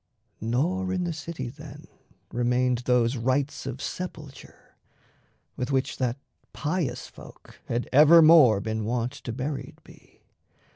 Nor in the city then Remained those rites of sepulture, with which That pious folk had evermore been wont To buried be.